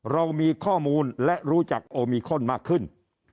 เรามีข้อมูลและรู้จักโอมิคอนมากขึ้น